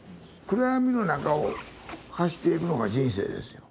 暗闇の中を走っていくのが人生ですよ。